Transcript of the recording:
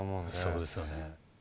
そうですよね。